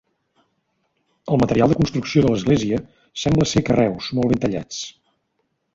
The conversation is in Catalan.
El material de construcció de l'església sembla ser carreus molt ben tallats.